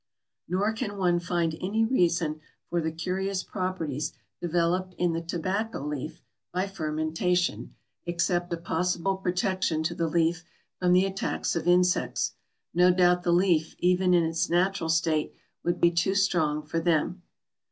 Nor can one find any reason for the curious properties developed in the Tobacco leaf by fermentation, except a possible protection to the leaf from the attacks of insects. No doubt the leaf, even in its natural state, would be too strong for them.